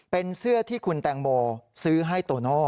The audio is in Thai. เป็นเสื้อที่คุณแตงโมซื้อให้โตโน่